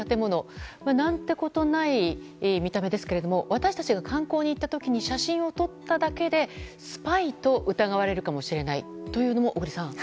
私たちが観光に行った時に写真を撮っただけでスパイと疑われるかもしれないというのも、小栗さん。